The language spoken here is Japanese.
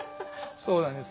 そうなんですね。